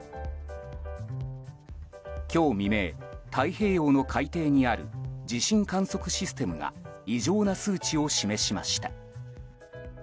今日未明、太平洋の海底にある地震観測システムが異常な数値を示しました。